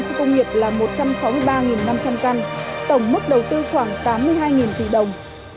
doanh nghiệp là một trăm sáu mươi ba năm trăm linh căn tổng mức đầu tư khoảng tám mươi hai tù đồng